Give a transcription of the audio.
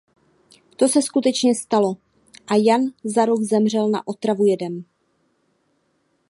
To se skutečně stalo a Jan za rok zemřel na otravu jedem.